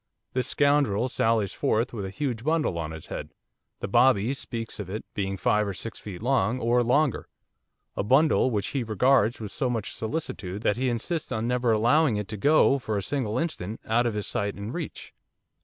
This scoundrel sallies forth with a huge bundle on his head, the bobby speaks of it being five or six feet long, or longer, a bundle which he regards with so much solicitude that he insists on never allowing it to go, for a single instant, out of his sight and reach.